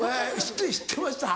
知ってました？